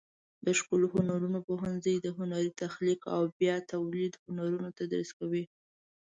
د ښکلو هنرونو پوهنځی د هنري تخلیق او بیا تولید هنرونه تدریس کوي.